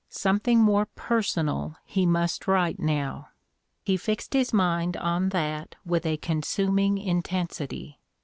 Something more personal he must write now ! He fixed his mind on that with a consuming intensity.